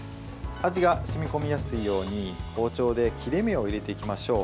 味が染み込みやすいように包丁で切れ目を入れていきましょう。